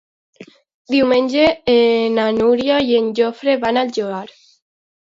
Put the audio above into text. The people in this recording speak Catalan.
Diumenge na Núria i en Jofre van al Lloar.